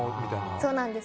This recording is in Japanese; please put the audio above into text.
そうなんです。